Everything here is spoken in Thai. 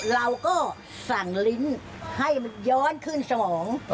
เราก็สั่งลิ้นให้มันย้อนขึ้นสมอง